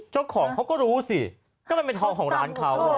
เจ้าของเขาก็รู้สิก็มันเป็นทองของร้านเขา